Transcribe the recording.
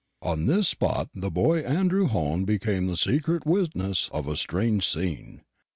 "On this spot the boy Andrew Hone became the secret witness of a strange scene.